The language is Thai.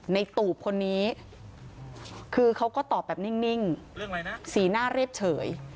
ในตูบคนนี้คือเขาก็ตอบแบบนิ่งเรื่องอะไรนะสีหน้าเรียบเฉย